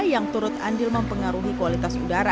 yang turut andil mempengaruhi kualitas udara